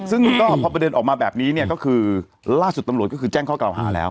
ซึ่งก็พอประเด็นออกมาแบบนี้เนี่ยก็คือล่าสุดตำรวจก็คือแจ้งข้อกล่าวหาแล้ว